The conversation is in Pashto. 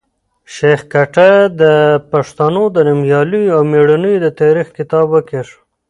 شېخ کټه د پښتنو د نومیالیو او مېړنیو د تاریخ کتاب وکېښ.